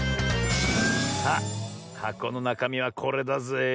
さあはこのなかみはこれだぜえ。